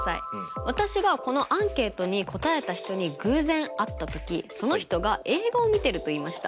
私がこのアンケートに答えた人に偶然会った時その人が映画をみてると言いました。